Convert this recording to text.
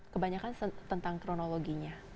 kebanyakan tentang kronologinya